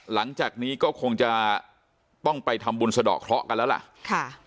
หลังจากนี้ก็คงจะต้องไปทำบุญสะดอกเคราะห์กันแล้วล่ะค่ะ